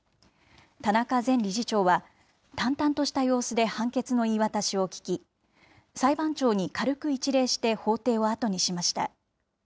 田中前理事長は、淡々とした様子で判決の言い渡しを聞き、裁判長に軽く一礼して法廷を後にしました。